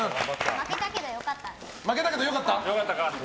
負けたけど、良かった。